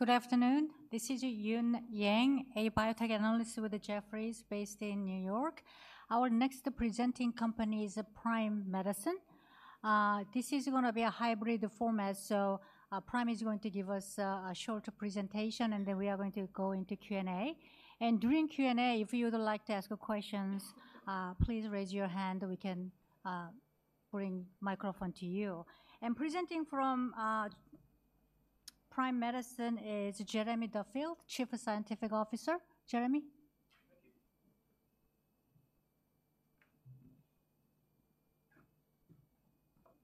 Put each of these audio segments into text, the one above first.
Good afternoon. This is Eun Yang, a biotech analyst with Jefferies based in New York. Our next presenting company is Prime Medicine. This is gonna be a hybrid format, so Prime is going to give us a short presentation, and then we are going to go into Q&A. And during Q&A, if you would like to ask questions, please raise your hand, and we can bring microphone to you. And presenting from Prime Medicine is Jeremy Duffield, Chief Scientific Officer. Jeremy? Thank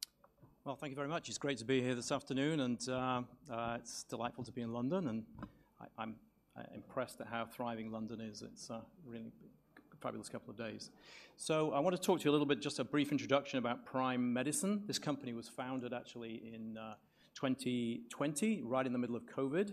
you. Well, thank you very much. It's great to be here this afternoon, and it's delightful to be in London, and I'm impressed at how thriving London is. It's a really fabulous couple of days. So I want to talk to you a little bit, just a brief introduction about Prime Medicine. This company was founded actually in 2020, right in the middle of COVID.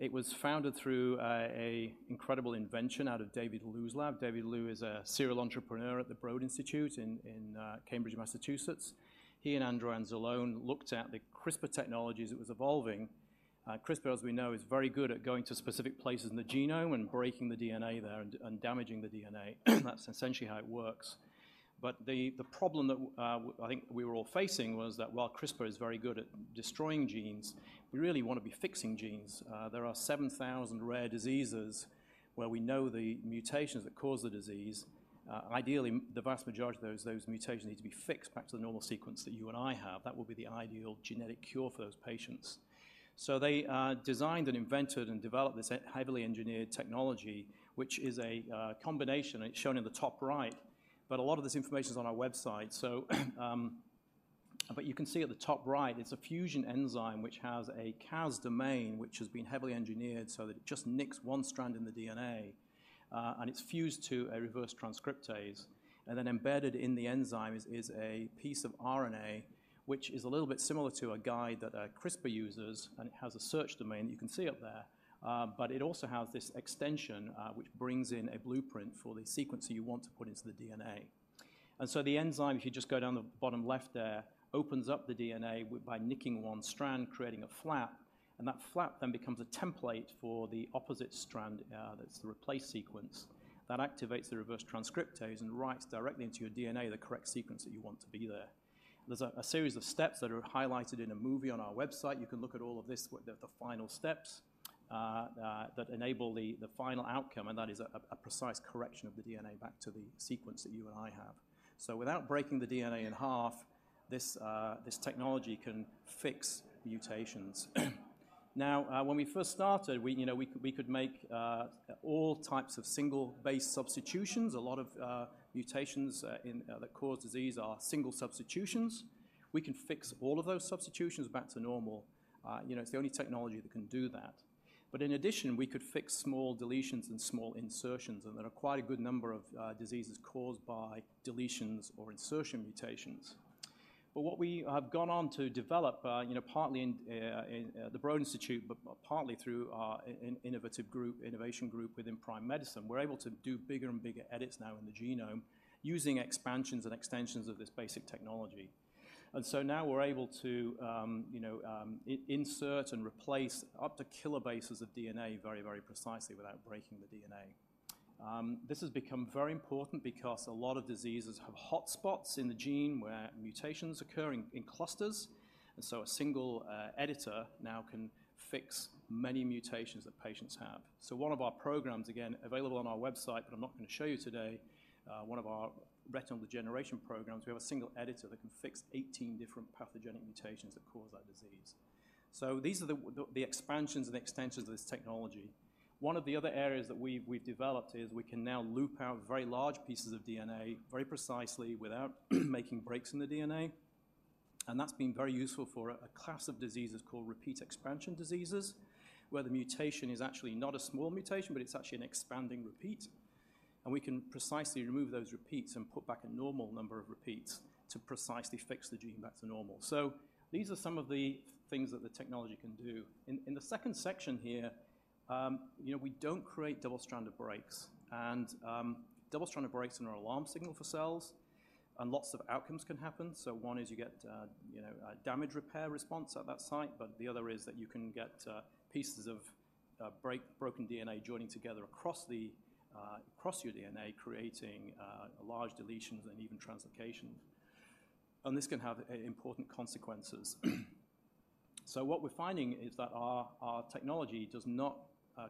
It was founded through a incredible invention out of David Liu's lab. David Liu is a serial entrepreneur at the Broad Institute in Cambridge, Massachusetts. He and Andrew Anzalone looked at the CRISPR technologies that was evolving. CRISPR, as we know, is very good at going to specific places in the genome and breaking the DNA there and damaging the DNA. That's essentially how it works. But the problem that I think we were all facing was that while CRISPR is very good at destroying genes, we really want to be fixing genes. There are 7,000 rare diseases where we know the mutations that cause the disease. Ideally, the vast majority of those, those mutations need to be fixed back to the normal sequence that you and I have. That would be the ideal genetic cure for those patients. So they designed and invented and developed this heavily engineered technology, which is a combination, and it's shown in the top right, but a lot of this information is on our website. So, but you can see at the top right, it's a fusion enzyme, which has a Cas domain, which has been heavily engineered so that it just nicks one strand in the DNA, and it's fused to a reverse transcriptase. And then embedded in the enzyme is a piece of RNA, which is a little bit similar to a guide that CRISPR uses, and it has a search domain. You can see up there, but it also has this extension, which brings in a blueprint for the sequence that you want to put into the DNA. And so the enzyme, if you just go down the bottom left there, opens up the DNA by nicking one strand, creating a flap, and that flap then becomes a template for the opposite strand, that's the replace sequence. That activates the reverse transcriptase and writes directly into your DNA, the correct sequence that you want to be there. There's a series of steps that are highlighted in a movie on our website. You can look at all of this with the final steps that enable the final outcome, and that is a precise correction of the DNA back to the sequence that you and I have. So without breaking the DNA in half, this technology can fix mutations. Now, when we first started, we, you know, we could make all types of single base substitutions. A lot of mutations in that cause disease are single substitutions. We can fix all of those substitutions back to normal. You know, it's the only technology that can do that. But in addition, we could fix small deletions and small insertions, and there are quite a good number of diseases caused by deletions or insertion mutations. But what we have gone on to develop, you know, partly in the Broad Institute, but partly through our innovative group within Prime Medicine, we're able to do bigger and bigger edits now in the genome using expansions and extensions of this basic technology. And so now we're able to, you know, insert and replace up to kilobases of DNA very, very precisely without breaking the DNA. This has become very important because a lot of diseases have hotspots in the gene where mutations occur in clusters, and so a single editor now can fix many mutations that patients have. So one of our programs, again, available on our website, but I'm not going to show you today, one of our retinal degeneration programs, we have a single editor that can fix 18 different pathogenic mutations that cause that disease. So these are the expansions and extensions of this technology. One of the other areas that we've developed is we can now loop out very large pieces of DNA very precisely without making breaks in the DNA, and that's been very useful for a class of diseases called repeat expansion diseases, where the mutation is actually not a small mutation, but it's actually an expanding repeat. And we can precisely remove those repeats and put back a normal number of repeats to precisely fix the gene back to normal. So these are some of the things that the technology can do. In t he second section here, you know, we don't create double-stranded breaks, and double-stranded breaks are an alarm signal for cells, and lots of outcomes can happen. So one is you get, you know, a damage repair response at that site, but the other is that you can get pieces of broken DNA joining together across your DNA, creating large deletions and even translocations. And this can have important consequences. So what we're finding is that our technology does not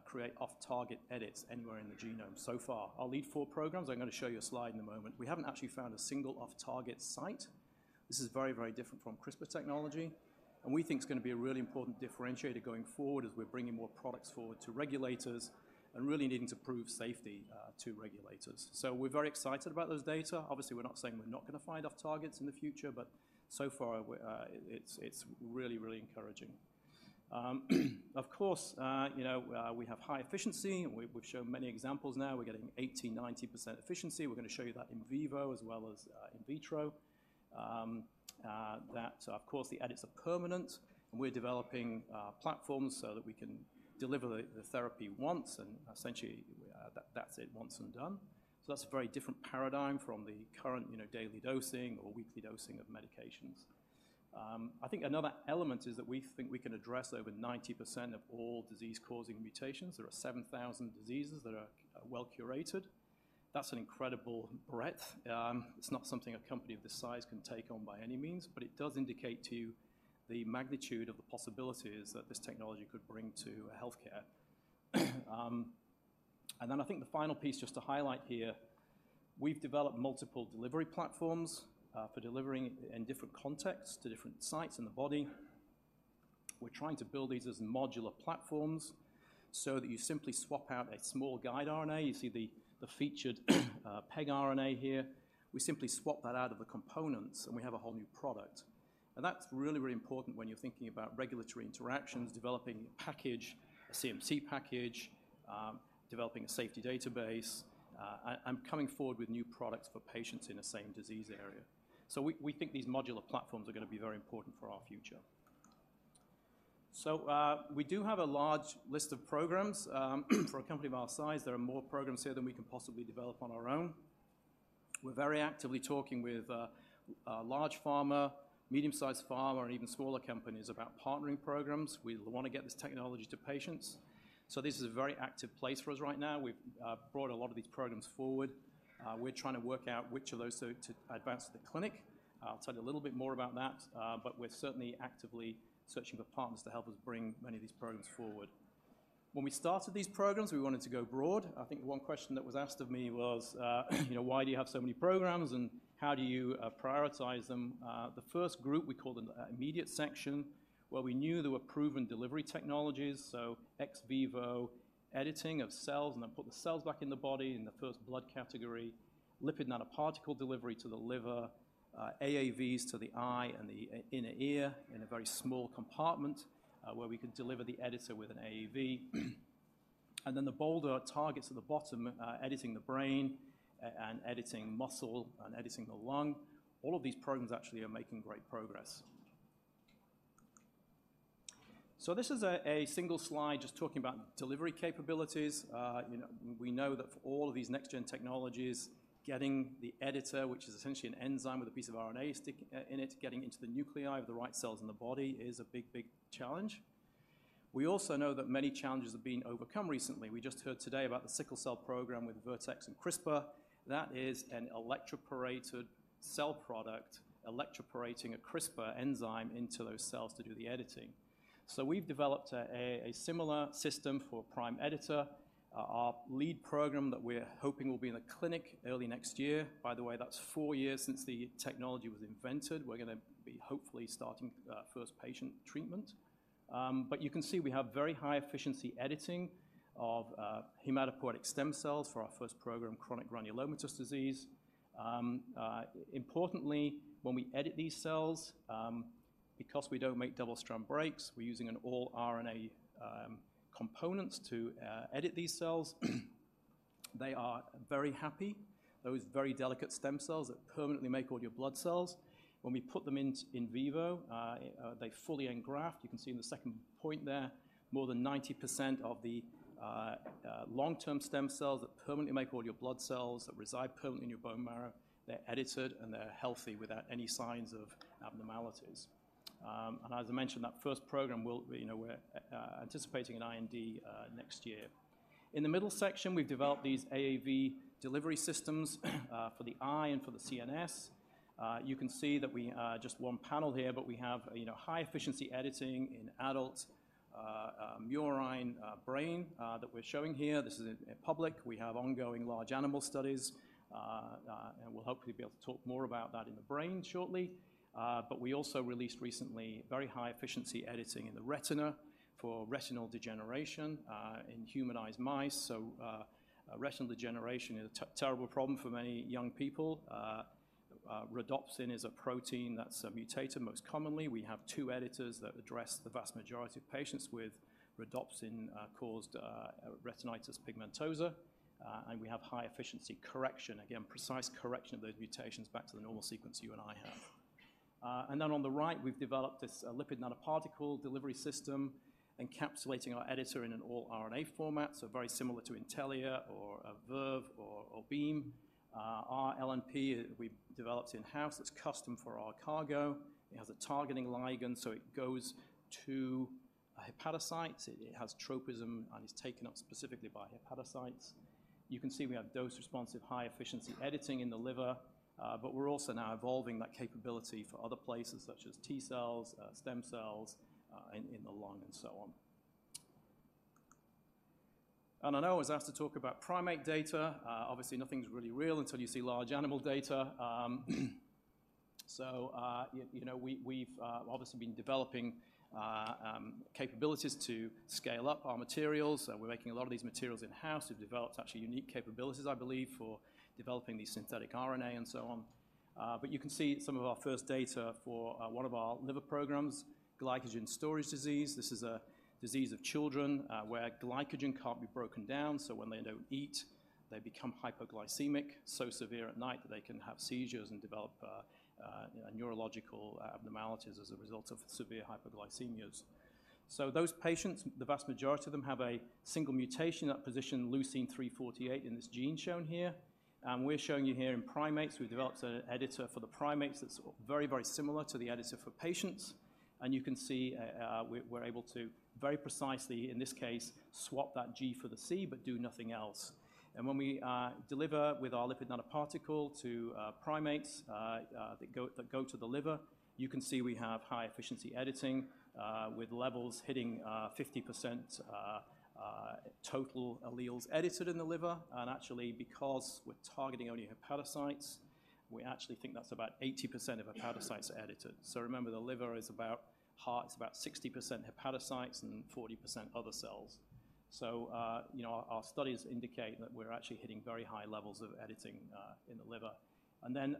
create off-target edits anywhere in the genome so far. Our lead four programs, I'm gonna show you a slide in a moment, we haven't actually found a single off-target site. This is very, very different from CRISPR technology, and we think it's gonna be a really important differentiator going forward as we're bringing more products forward to regulators and really needing to prove safety to regulators. So we're very excited about those data. Obviously, we're not saying we're not gonna find off targets in the future, but so far, it's really, really encouraging. Of course, you know, we have high efficiency, and we've shown many examples now. We're getting 80-90% efficiency. We're gonna show you that in vivo as well as in vitro. That of course, the edits are permanent, and we're developing platforms so that we can deliver the therapy once, and essentially, that's it, once and done. So that's a very different paradigm from the current, you know, daily dosing or weekly dosing of medications. I think another element is that we think we can address over 90% of all disease-causing mutations. There are 7,000 diseases that are well curated. That's an incredible breadth. It's not something a company of this size can take on by any means, but it does indicate to you the magnitude of the possibilities that this technology could bring to healthcare. And then I think the final piece, just to highlight here, we've developed multiple delivery platforms for delivering in different contexts to different sites in the body. We're trying to build these as modular platforms so that you simply swap out a small guide RNA. You see the featured pegRNA here. We simply swap that out of the components, and we have a whole new product. And that's really, really important when you're thinking about regulatory interactions, developing a package, a CMC package, developing a safety database, and coming forward with new products for patients in the same disease area. So we think these modular platforms are gonna be very important for our future. So we do have a large list of programs for a company of our size. There are more programs here than we can possibly develop on our own. We're very actively talking with large pharma, medium-sized pharma, and even smaller companies about partnering programs. We wanna get this technology to patients, so this is a very active place for us right now. We've brought a lot of these programs forward. We're trying to work out which of those to advance to the clinic. I'll tell you a little bit more about that, but we're certainly actively searching for partners to help us bring many of these programs forward. When we started these programs, we wanted to go broad. I think one question that was asked of me was, you know, "Why do you have so many programs, and how do you prioritize them?" The first group we called an immediate section, where we knew there were proven delivery technologies, so ex vivo editing of cells, and then put the cells back in the body in the first blood category, lipid nanoparticle delivery to the liver, AAVs to the eye and the inner ear in a very small compartment, where we could deliver the editor with an AAV. And then the bolder targets at the bottom, editing the brain, and editing muscle, and editing the lung. All of these programs actually are making great progress. So this is a single slide just talking about delivery capabilities. You know, we know that for all of these next-gen technologies, getting the editor, which is essentially an enzyme with a piece of RNA stick in it, getting into the nuclei of the right cells in the body, is a big, big challenge. We also know that many challenges have been overcome recently. We just heard today about the sickle cell program with Vertex and CRISPR. That is an electroporated cell product, electroporating a CRISPR enzyme into those cells to do the editing. So we've developed a similar system for prime editor. Our lead program that we're hoping will be in the clinic early next year. By the way, that's four years since the technology was invented. We're gonna be hopefully starting first patient treatment. But you can see we have very high efficiency editing of hematopoietic stem cells for our first program, chronic granulomatous disease. Importantly, when we edit these cells, because we don't make double-strand breaks, we're using an all-RNA components to edit these cells. They are very happy. Those very delicate stem cells that permanently make all your blood cells, when we put them in vivo, they fully engraft. You can see in the second point there, more than 90% of the long-term stem cells that permanently make all your blood cells, that reside permanently in your bone marrow, they're edited, and they're healthy without any signs of abnormalities. And as I mentioned, that first program will, you know, we're anticipating an IND next year. In the middle section, we've developed these AAV delivery systems for the eye and for the CNS. You can see that we just one panel here, but we have, you know, high efficiency editing in adult murine brain that we're showing here. This is in public. We have ongoing large animal studies and we'll hopefully be able to talk more about that in the brain shortly. But we also released recently very high efficiency editing in the retina for retinal degeneration in humanized mice. So, retinal degeneration is a terrible problem for many young people. Rhodopsin is a protein that's mutated most commonly. We have two editors that address the vast majority of patients with rhodopsin-caused retinitis pigmentosa, and we have high efficiency correction, again, precise correction of those mutations back to the normal sequence you and I have. And then on the right, we've developed this lipid nanoparticle delivery system, encapsulating our editor in an all-RNA format, so very similar to Intellia or Verve or Beam. Our LNP we've developed in-house, it's custom for our cargo. It has a targeting ligand, so it goes to a hepatocyte. It has tropism and is taken up specifically by hepatocytes. You can see we have dose-responsive, high-efficiency editing in the liver, but we're also now evolving that capability for other places, such as T cells, stem cells, in the lung, and so on. And I know I was asked to talk about primate data. Obviously, nothing's really real until you see large animal data, so you know, we've obviously been developing capabilities to scale up our materials, and we're making a lot of these materials in-house. We've developed actually unique capabilities, I believe, for developing these synthetic RNA and so on. But you can see some of our first data for one of our liver programs, glycogen storage disease. This is a disease of children, where glycogen can't be broken down, so when they don't eat, they become hypoglycemic, so severe at night that they can have seizures and develop neurological abnormalities as a result of severe hypoglycemias. So those patients, the vast majority of them have a single mutation at position leucine 348 in this gene shown here. And we're showing you here in primates, we've developed an editor for the primates that's very, very similar to the editor for patients. And you can see, we're able to very precisely, in this case, swap that G for the C but do nothing else. And when we deliver with our lipid nanoparticle to primates that go to the liver, you can see we have high efficiency editing with levels hitting 50% total alleles edited in the liver. And actually, because we're targeting only hepatocytes, we actually think that's about 80% of hepatocytes are edited. So remember, the liver is about half, it's about 60% hepatocytes and 40% other cells. So you know, our studies indicate that we're actually hitting very high levels of editing in the liver. And then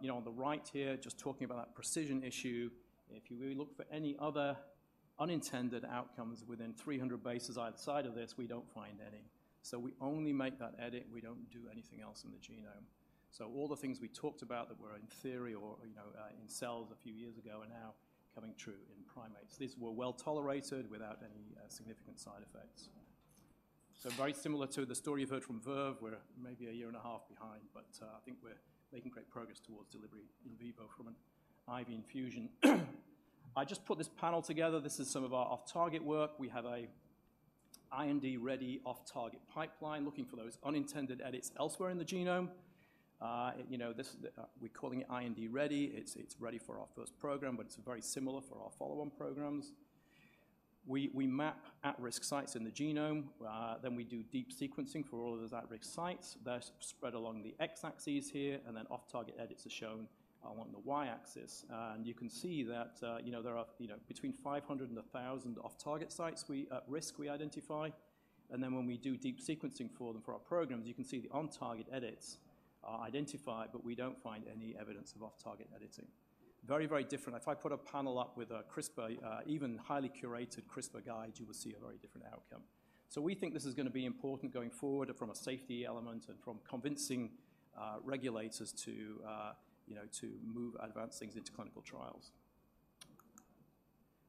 you know, on the right here, just talking about that precision issue, if you really look for any other unintended outcomes within 300 bases outside of this, we don't find any. So we only make that edit, we don't do anything else in the genome. So all the things we talked about that were in theory or, you know, in cells a few years ago are now coming true in primates. These were well tolerated without any significant side effects. So very similar to the story you heard from Verve, we're maybe a year and a half behind, but I think we're making great progress towards delivery in vivo from an IV infusion. I just put this panel together. This is some of our off-target work. We have a IND-ready off-target pipeline looking for those unintended edits elsewhere in the genome. You know, this, we're calling it IND-ready. It's ready for our first program, but it's very similar for our follow-on programs. We map at-risk sites in the genome, then we do deep sequencing for all of those at-risk sites. They're spread along the X-axis here, and then off-target edits are shown on the Y-axis. And you can see that, you know, there are, you know, between 500 and 1,000 off-target sites at risk we identify, and then when we do deep sequencing for them for our programs, you can see the on-target edits are identified, but we don't find any evidence of off-target editing. Very, very different. If I put a panel up with a CRISPR, even highly curated CRISPR guide, you will see a very different outcome. So we think this is gonna be important going forward from a safety element and from convincing regulators to, you know, to move advance things into clinical trials.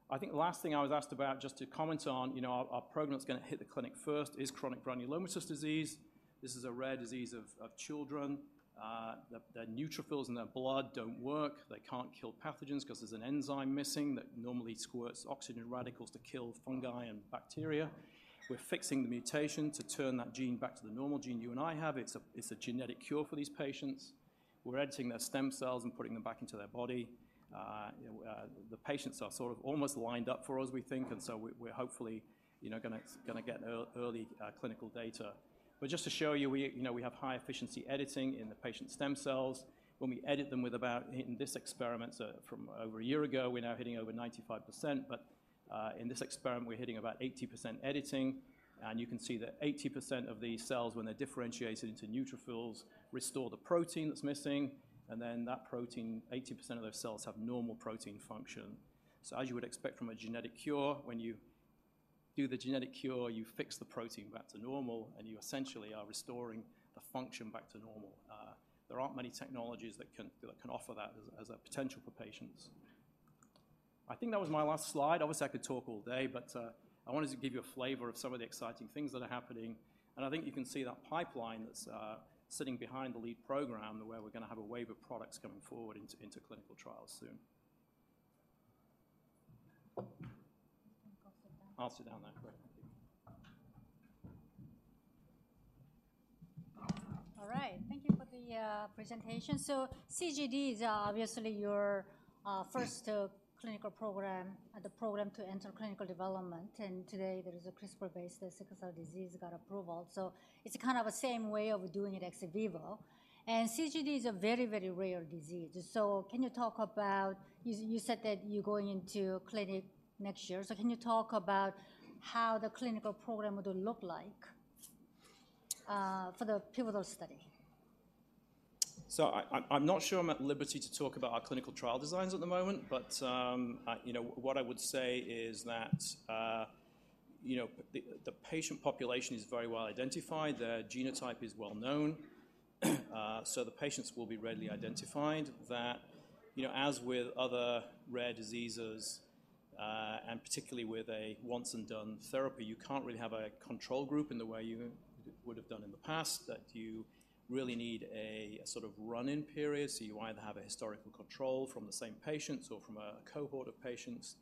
I think the last thing I was asked about, just to comment on, you know, our program that's gonna hit the clinic first is chronic granulomatous disease. This is a rare disease of children. Their neutrophils in their blood don't work. They can't kill pathogens 'cause there's an enzyme missing that normally squirts oxygen radicals to kill fungi and bacteria. We're fixing the mutation to turn that gene back to the normal gene you and I have. It's a genetic cure for these patients. We're editing their stem cells and putting them back into their body. The patients are sort of almost lined up for us, we think, and so we're hopefully, you know, gonna get early clinical data. But just to show you, we, you know, we have high efficiency editing in the patient's stem cells. When we edit them with about... In this experiment, so from over a year ago, we're now hitting over 95%, but in this experiment, we're hitting about 80% editing, and you can see that 80% of these cells, when they're differentiated into neutrophils, restore the protein that's missing, and then that protein, 80% of those cells have normal protein function. So as you would expect from a genetic cure, when you do the genetic cure, you fix the protein back to normal, and you essentially are restoring the function back to normal. There aren't many technologies that can offer that as a potential for patients. I think that was my last slide. Obviously, I could talk all day, but I wanted to give you a flavor of some of the exciting things that are happening, and I think you can see that pipeline that's sitting behind the lead program, where we're gonna have a wave of products coming forward into clinical trials soon. You can go sit down. I'll sit down there. Great, thank you. All right. Thank you for the presentation. So CGD is obviously your first clinical program, the program to enter clinical development, and today there is a CRISPR-based sickle cell disease got approval. So it's kind of a same way of doing it ex vivo. And CGD is a very, very rare disease. So can you talk about... You said that you're going into clinic next year. So can you talk about how the clinical program would look like for the pivotal study? So, I'm not sure I'm at liberty to talk about our clinical trial designs at the moment, but. You know, what I would say is that, you know, the patient population is very well identified. Their genotype is well known, so the patients will be readily identified. That, you know, as with other rare diseases, and particularly with a once-and-done therapy, you can't really have a control group in the way you would have done in the past, that you really need a sort of run-in period. So you either have a historical control from the same patients or from a cohort of patients,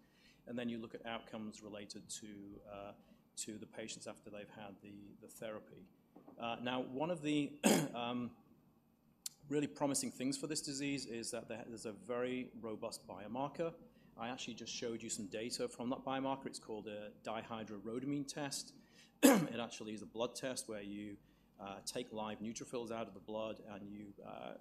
and then you look at outcomes related to, to the patients after they've had the therapy. Now, one of the really promising things for this disease is that there, there's a very robust biomarker. I actually just showed you some data from that biomarker. It's called a dihydrorhodamine test. It actually is a blood test where you take live neutrophils out of the blood, and you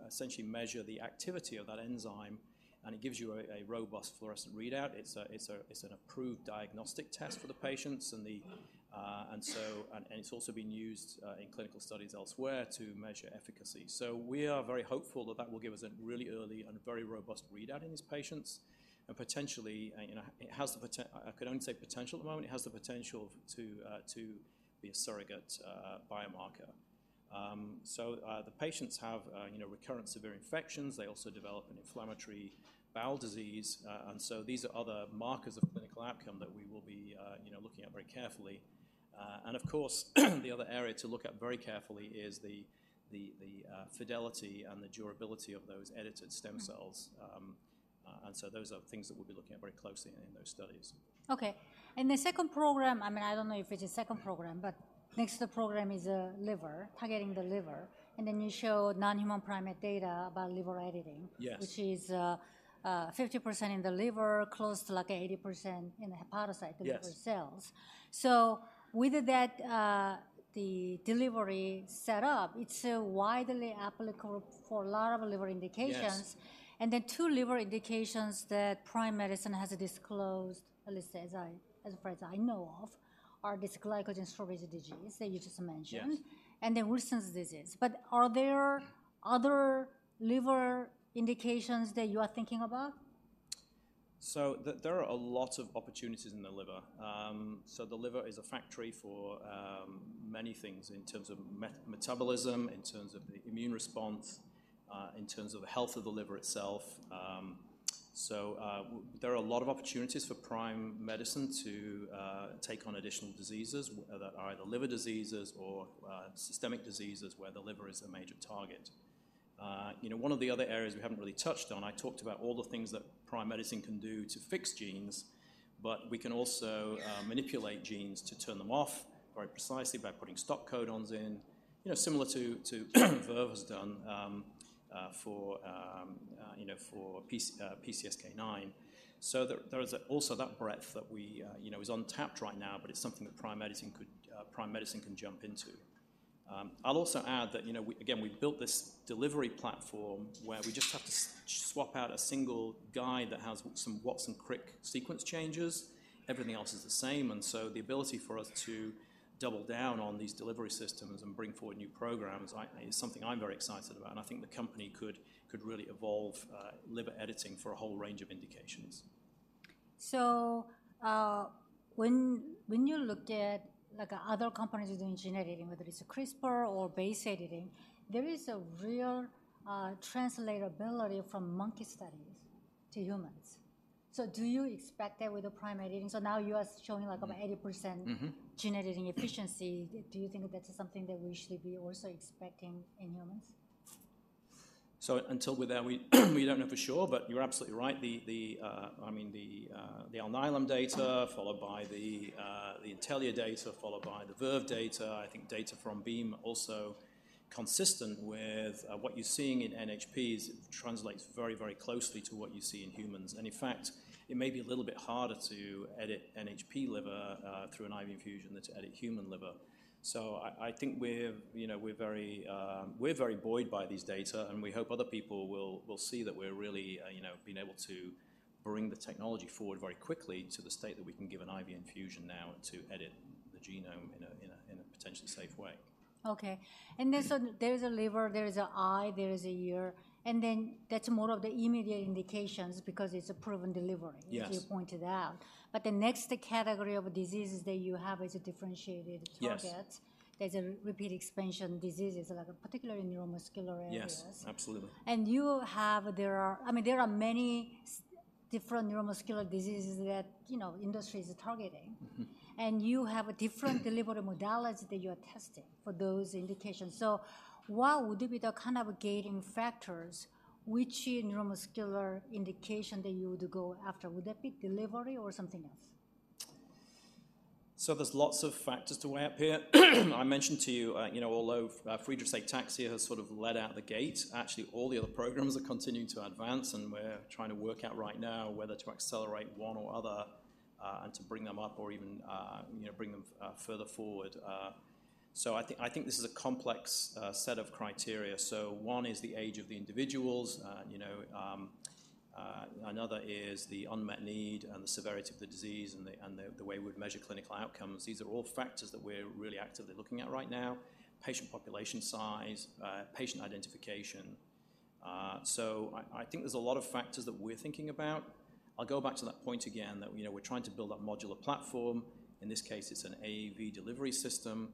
essentially measure the activity of that enzyme, and it gives you a robust fluorescent readout. It's an approved diagnostic test for the patients, and it's also been used in clinical studies elsewhere to measure efficacy. So we are very hopeful that that will give us a really early and very robust readout in these patients. And potentially, you know, it has the potential. I can only say potential at the moment. It has the potential to be a surrogate biomarker. So the patients have, you know, recurrent severe infections. They also develop an inflammatory bowel disease, and so these are other markers of clinical outcome that we will be, you know, looking at very carefully. Of course, the other area to look at very carefully is the fidelity and the durability of those edited stem cells. Mm-hmm. And so those are things that we'll be looking at very closely in those studies. Okay, and the second program, I mean, I don't know if it's a second program, but next program is liver, targeting the liver, and then you show non-human primate data about liver editing. Yes. -which is, 50% in the liver, close to like 80% in the hepatocyte- Yes. liver cells. So with that, the delivery set up, it's so widely applicable for a lot of liver indications. Yes. The two liver indications that Prime Medicine has disclosed, at least as far as I know of, are this glycogen storage disease that you just mentioned- Yes. And then Wilson's disease. But are there other liver indications that you are thinking about? So there are a lot of opportunities in the liver. So the liver is a factory for many things in terms of metabolism, in terms of the immune response, in terms of health of the liver itself. So there are a lot of opportunities for Prime Medicine to take on additional diseases that are either liver diseases or systemic diseases where the liver is a major target. You know, one of the other areas we haven't really touched on, I talked about all the things that Prime Medicine can do to fix genes, but we can also- Mm-hmm... manipulate genes to turn them off very precisely by putting stop codons in, you know, similar to, to, what Verve has done, you know, for PC, PCSK9. So there is also that breadth that we, you know, is untapped right now, but it's something that Prime Medicine could, Prime Medicine can jump into. I'll also add that, you know, we, again, we've built this delivery platform where we just have to swap out a single guide that has some Watson-Crick sequence changes. Everything else is the same, and so the ability for us to double down on these delivery systems and bring forward new programs, I, is something I'm very excited about, and I think the company could, could really evolve, liver editing for a whole range of indications. So, when you look at, like, other companies doing gene editing, whether it's CRISPR or base editing, there is a real translatability from monkey studies to humans. So do you expect that with the prime editing? So now you are showing like up 80%- Mm-hmm... gene editing efficiency. Do you think that's something that we should be also expecting in humans? So until we're there, we don't know for sure, but you're absolutely right. I mean, the Alnylam data, followed by the Intellia data, followed by the Verve data, I think data from Beam, also consistent with what you're seeing in NHPs, translates very, very closely to what you see in humans. And in fact, it may be a little bit harder to edit NHP liver through an IV infusion than to edit human liver. So I think we're, you know, we're very buoyed by these data, and we hope other people will see that we're really, you know, been able to bring the technology forward very quickly to the state that we can give an IV infusion now to edit the genome in a potentially safe way. Okay. And there's a liver, there is an eye, there is an ear, and then that's more of the immediate indications because it's a proven delivery- Yes... as you pointed out. But the next category of diseases that you have is a differentiated target. Yes. There are repeat expansion diseases, like particularly neuromuscular areas. Yes, absolutely. There are, I mean, there are many different neuromuscular diseases that, you know, industry is targeting. Mm-hmm. You have a different delivery modality that you are testing for those indications. What would be the kind of gating factors, which neuromuscular indication that you would go after? Would that be delivery or something else? So there's lots of factors to weigh up here. I mentioned to you, you know, although, Friedreich's ataxia has sort of led out the gate, actually, all the other programs are continuing to advance, and we're trying to work out right now whether to accelerate one or other, and to bring them up or even, you know, bring them, further forward. So I think, I think this is a complex set of criteria. So one is the age of the individuals, you know, another is the unmet need and the severity of the disease and the way we'd measure clinical outcomes. These are all factors that we're really actively looking at right now. Patient population size, patient identification. So I, I think there's a lot of factors that we're thinking about. I'll go back to that point again, that, you know, we're trying to build that modular platform. In this case, it's an AAV delivery system,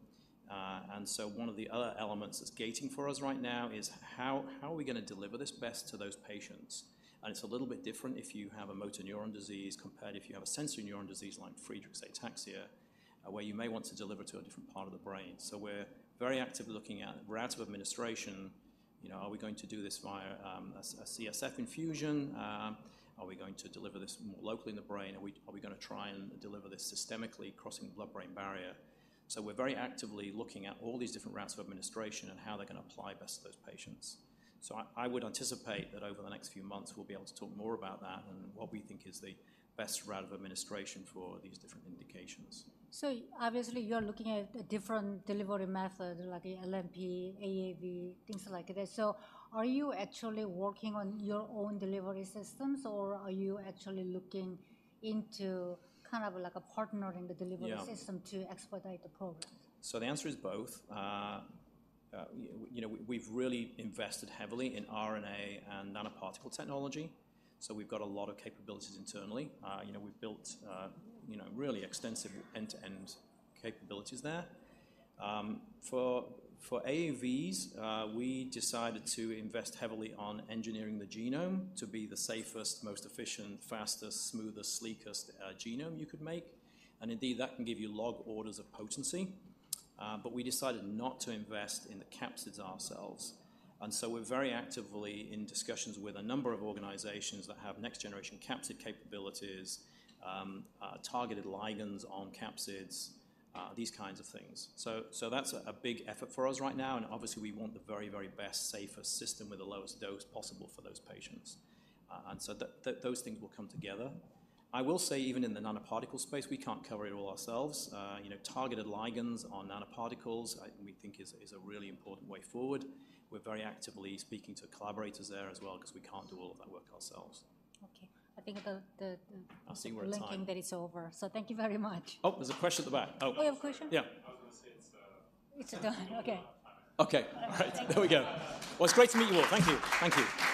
and so one of the other elements that's gating for us right now is how are we going to deliver this best to those patients? And it's a little bit different if you have a motor neuron disease compared if you have a sensory neuron disease like Friedreich's ataxia, where you may want to deliver to a different part of the brain. So we're very actively looking at routes of administration. You know, are we going to do this via a CSF infusion? Are we going to deliver this more locally in the brain? Are we going to try and deliver this systemically, crossing the blood-brain barrier? So we're very actively looking at all these different routes of administration and how they can apply best to those patients. So I, I would anticipate that over the next few months, we'll be able to talk more about that and what we think is the best route of administration for these different indications. So obviously, you're looking at a different delivery method, like LNP, AAV, things like this. So are you actually working on your own delivery systems, or are you actually looking into kind of like a partner in the delivery? Yeah... system to expedite the program? So the answer is both. You know, we've really invested heavily in RNA and nanoparticle technology, so we've got a lot of capabilities internally. You know, we've built you know really extensive end-to-end capabilities there. For AAVs, we decided to invest heavily on engineering the genome to be the safest, most efficient, fastest, smoothest, sleekest genome you could make. And indeed, that can give you log orders of potency, but we decided not to invest in the capsids ourselves, and so we're very actively in discussions with a number of organizations that have next generation capsid capabilities, targeted ligands on capsids, these kinds of things. So that's a big effort for us right now, and obviously, we want the very, very best, safest system with the lowest dose possible for those patients. And so that those things will come together. I will say, even in the nanoparticle space, we can't cover it all ourselves. You know, targeted ligands on nanoparticles, we think is a really important way forward. We're very actively speaking to collaborators there as well, because we can't do all of that work ourselves. Okay. I think the I'll see where the time- Linking bit is over. So thank you very much. Oh, there's a question at the back. Oh. Oh, you have a question? Yeah. I was going to say it's, It's done. Okay. Out of time. Okay. All right. Thank you. There we go. Well, it's great to meet you all. Thank you. Thank you.